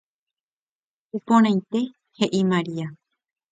Iporãite heʼi María.